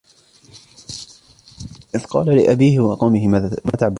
إِذْ قَالَ لِأَبِيهِ وَقَوْمِهِ مَا تَعْبُدُونَ